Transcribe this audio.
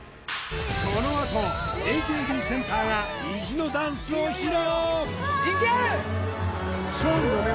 このあとＡＫＢセンターが意地のダンスを披露